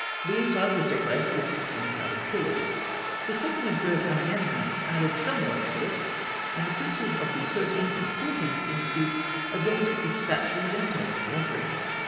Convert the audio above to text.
The inside was decorated with sixteen sided pillars. The second and third Amenemhats added some work to it, and the princes of the Thirteenth and Fourteenth Dynasties adorned it with statues and tables of offerings.